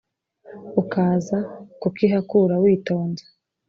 ukaza kukihakura witonze